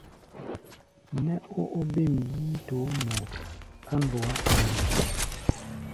Nɛ́ ó óbêm yíítoó nɔʼɔ á ndɔá ari.